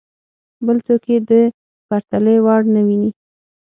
بل څوک یې د پرتلې وړ نه ویني.